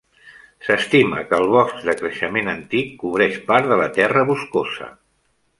S'estima que el bosc de creixement antic cobreix part de la terra boscosa.